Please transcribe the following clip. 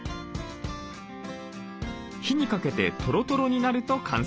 火にかけてトロトロになると完成。